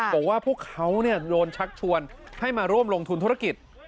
บอกว่าพวกเขาโดนชักชวนให้มาร่วมลงทุนธุรกิจ